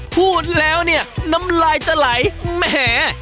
พูดแล้วเนี่ยน้ำลายจะไหลแหม